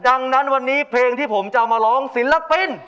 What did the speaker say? ดังนั้นวันนี้เพลงที่ผมจะเอามาร้องศิลปิน